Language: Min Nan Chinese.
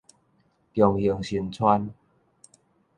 中興新村